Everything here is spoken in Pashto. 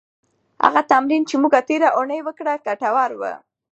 هغه تمرین چې موږ تېره اونۍ وکړه، ګټور و.